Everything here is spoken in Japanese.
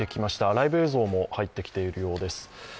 ライブ映像も入ってきているようです。